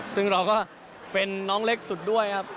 ซึ่งเราก็เป็นน้องเล็กสุดด้วยครับ